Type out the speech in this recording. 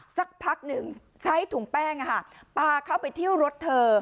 สักพักหนึ่งใช้ถุงแป้งปลาเข้าไปเที่ยวรถเธอ